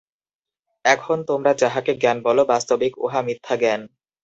এখন তোমরা যাহাকে জ্ঞান বল, বাস্তবিক উহা মিথ্যাজ্ঞান।